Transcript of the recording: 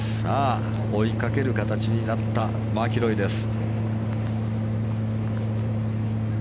追いかける形になったマキロイです。